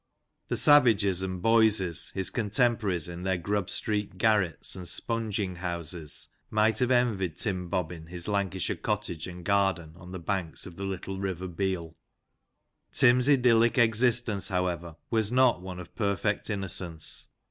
The Savages and Boyses, his contemporaries, in their Grub Street garrets and spunging houses, might have envied Tim Bobbin his Lanca shire cottage and garden on the banks of the little river Beal. Tim's idyllic existence, however, was not one of perfect innocence.